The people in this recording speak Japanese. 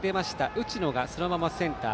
打野がそのままセンター。